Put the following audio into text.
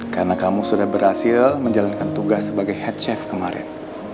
karena kamu sudah berhasil menjalankan tugas sebagai head chef kemarin